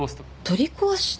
取り壊した？